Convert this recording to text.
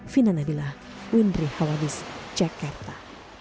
fina nabilah windri hawadis jakarta